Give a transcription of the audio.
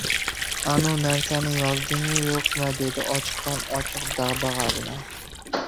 — Anu narsani yozdingmi-yo‘qmi? — dedi ochiqdan-ochiq dag‘dag‘a bilan.